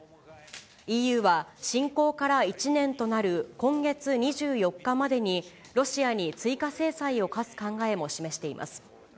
ＥＵは侵攻から１年となる今月２４日までに、ロシアに追加制裁を科す考えも示しています。